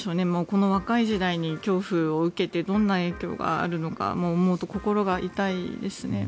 この若い時代に恐怖を受けてどんな影響があるのかと思うと心が痛いですね。